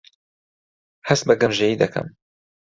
هەست بە گەمژەیی دەکەم.